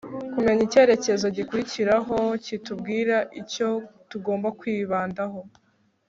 kumenya icyerekezo gikurikiraho kitubwira icyo tugomba kwibandaho